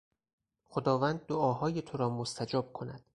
خداوند دعاهای تو را مستجاب کند.